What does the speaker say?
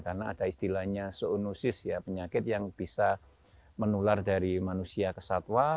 karena ada istilahnya zoonosis ya penyakit yang bisa menular dari manusia ke satwa